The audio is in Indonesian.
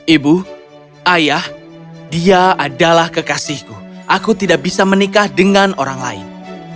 ibu ayah dia adalah kekasihku aku tidak bisa menikah dengan orang lain